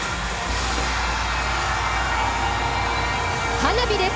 花火です！